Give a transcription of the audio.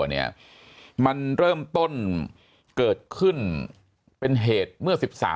มีความรู้สึกว่า